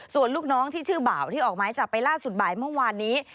ส่วนลูกน้องที่ชื่อบ่าวที่ออกไม้จับไปล่าสุดบ่ายเมื่อวานนี้